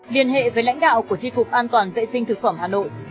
liên hệ với lãnh đạo của di cục an toàn vệ sinh tp hà nội